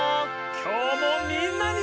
きょうもみんなに。